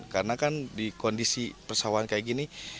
karena kan di kondisi persawahan kayak gini